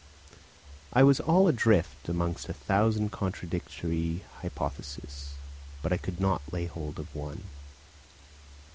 I was all adrift amongst a thousand contradictory hypotheses, but I could not lay hold of one.